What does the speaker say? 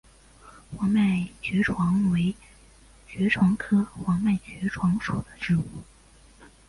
黄脉爵床为爵床科黄脉爵床属的植物。